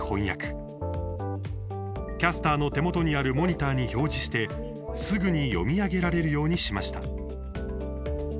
キャスターの手元にあるモニターに表示して、すぐに読み上げられるようにしました。